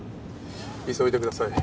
急いでください。